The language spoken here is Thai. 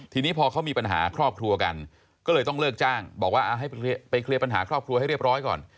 ทีนี้พอเขามีปัญหาครอบครัวกันก็เลยต้องเลิกจ้างบอกว่าให้ไปเคลียร์ปัญหาครอบครัวให้เรียบร้อยก่อน